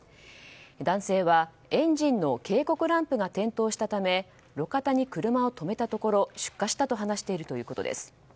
男性はエンジンの警告ランプが点灯したため路肩に車を止めたところ出火したと話しているということです。